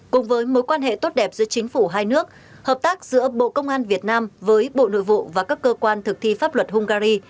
cùng với mối quan hệ tốt đẹp giữa chính phủ hai nước hợp tác giữa bộ công an việt nam với bộ nội vụ và các cơ quan thực thi pháp luật hungary